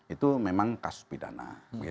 itu memang kasus pidana